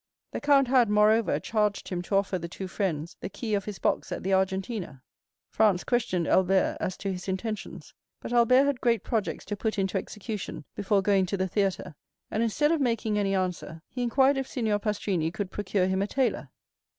The count had, moreover, charged him to offer the two friends the key of his box at the Argentina. Franz questioned Albert as to his intentions; but Albert had great projects to put into execution before going to the theatre; and instead of making any answer, he inquired if Signor Pastrini could procure him a tailor.